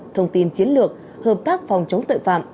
thông tin chiến lược hợp tác phòng chống tội phạm